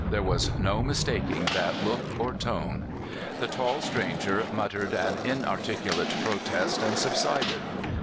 There was no mistaking that look or tone. The tall stranger muttered an in articulate protest and subsided.